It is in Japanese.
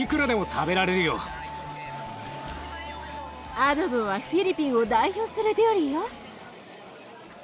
アドボはフィリピンを代表する料理よ。